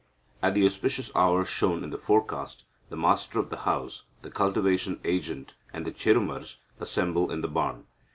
At the auspicious hour shown in the forecast, the master of the house, the cultivation agent, and the Cherumars, assemble in the barn.